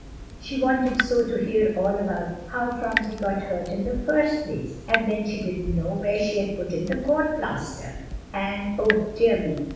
She wanted so to hear all about how Phronsie got hurt in the first place, and then she didn't know where she had put the court plaster; and, oh, dear me!